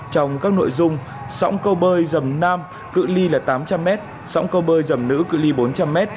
trong các nội dung sóng câu bơi dầm nam cự li là tám trăm linh m sóng câu bơi dầm nữ cự li bốn trăm linh m